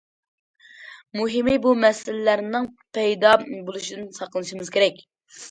مۇھىمى بۇ مەسىلىلەرنىڭ پەيدا بولۇشىدىن ساقلىنىشىمىز كېرەك.